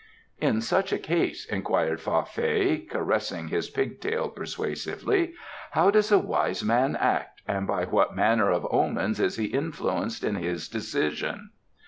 "In such a case," inquired Fa Fei, caressing his pig tail persuasively, "how does a wise man act, and by what manner of omens is he influenced in his decision?"